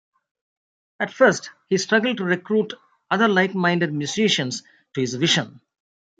At first he struggled to recruit other like-minded musicians to his vision.